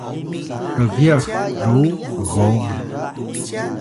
rgyax ru gong